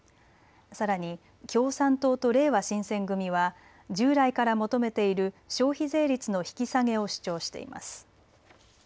さらに共産党とれいわ新選組は従来から求めている消費税率の引き下げを主張しています。